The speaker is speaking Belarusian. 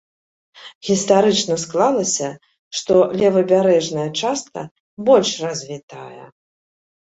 Гістарычна склалася, што левабярэжная частка больш развітая.